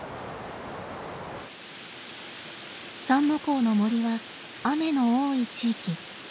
三之公の森は雨の多い地域。